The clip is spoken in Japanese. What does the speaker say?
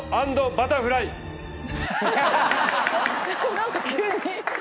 何か急に。